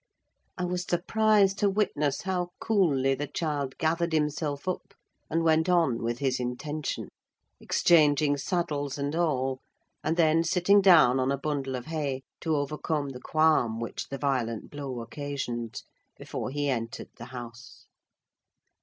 I was surprised to witness how coolly the child gathered himself up, and went on with his intention; exchanging saddles and all, and then sitting down on a bundle of hay to overcome the qualm which the violent blow occasioned, before he entered the house.